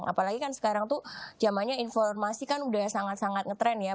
apalagi sekarang itu zamannya informasi sudah sangat sangat ngetrend ya